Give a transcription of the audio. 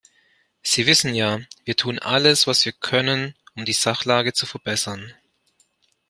Sie wissen ja, wir tun alles, was wir können, um die Sachlage zu verbessern.